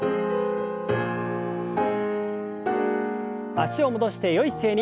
脚を戻してよい姿勢に。